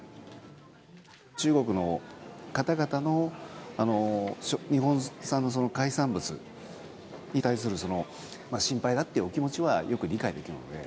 中国の方々の日本産の海産物に対する心配だっていうお気持ちはよく理解できるので。